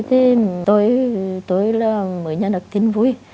thì tôi là mới nhận được tin vui